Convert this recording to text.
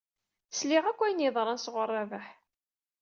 Sliɣ akk ayen yeḍran sɣur Rabaḥ.